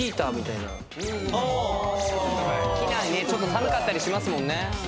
機内ねちょっと寒かったりしますもんね。